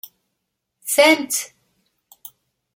Tesɛam-tt?